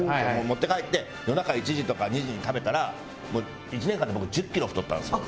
持って帰って夜中１時とか２時に食べたら１年間で僕１０キロ太ったんですよ。